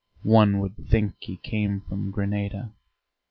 One would think he came from Grenada."